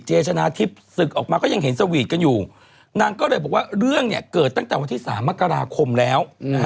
ชนะทิพย์ศึกออกมาก็ยังเห็นสวีทกันอยู่นางก็เลยบอกว่าเรื่องเนี่ยเกิดตั้งแต่วันที่๓มกราคมแล้ว